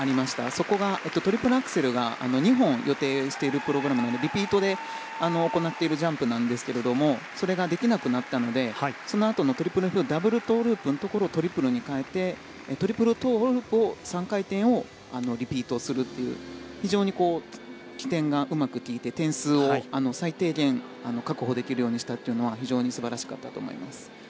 それが、トリプルアクセル２本予定しているプログラムなのでリピートで行っているジャンプなんですけどそれができなくなったのでそのあとのダブルトウループをトリプルに変えてトリプルトウループ、３回転をリピートするという非常に機転がうまくきいて点数を最低限確保できるようにしたというのは非常に素晴らしかったと思います。